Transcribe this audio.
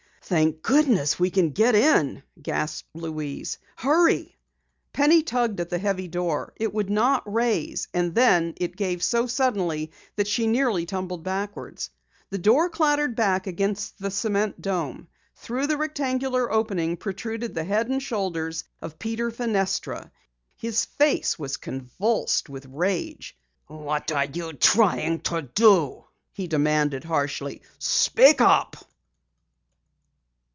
"Thank goodness, we can get in," gasped Louise. "Hurry!" Penny tugged at the heavy door. It would not raise, and then it gave so suddenly that she nearly tumbled backwards. The door clattered back against the cement dome. Through the rectangular opening protruded the head and shoulders of Peter Fenestra. His face was convulsed with rage. "What are you trying to do?" he demanded harshly. "Speak up!"